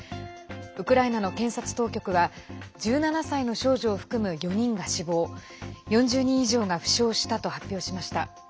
ウクライナの検察当局は１７歳の少女を含む４人が死亡４０人以上が負傷したと発表しました。